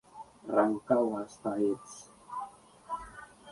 Rancagua hasta Est.